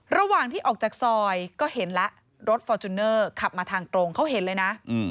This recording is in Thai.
ระหว่างที่ออกจากซอยก็เห็นแล้วรถฟอร์จูเนอร์ขับมาทางตรงเขาเห็นเลยนะ